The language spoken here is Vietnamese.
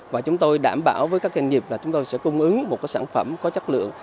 và chúng tôi đảm bảo với các doanh nghiệp là chúng tôi sẽ cung ứng một sản phẩm có chất lượng